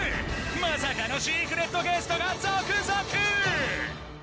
まさかのシークレットゲストが続々。